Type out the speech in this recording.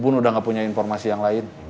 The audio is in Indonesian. pun udah gak punya informasi yang lain